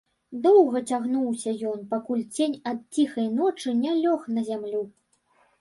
Доўга цягнуўся ён, пакуль цень ад ціхай ночы не лёг на зямлю.